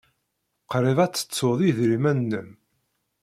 Qrib ay tettuḍ idrimen-nnem.